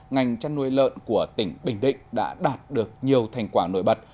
ngành chăn nuôi lợn của tỉnh bình định đã đạt được nhiều thành quả nổi bật